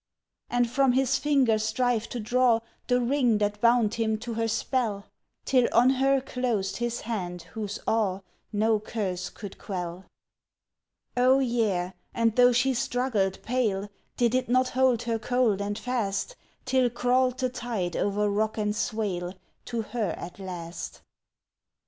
And from his finger strive to draw The ring that bound him to her spell? Till on her closed his hand whose awe No curse could quell? Oh, yea! and tho' she struggled pale, Did it not hold her cold and fast, Till crawled the tide o'er rock and swale, To her at last?